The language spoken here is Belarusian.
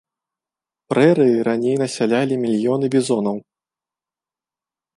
Прэрыі раней насялялі мільёны бізонаў.